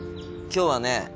今日はね